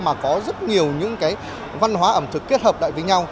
mà có rất nhiều những cái văn hóa ẩm thực kết hợp lại với nhau